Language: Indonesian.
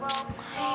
bum sahur lagi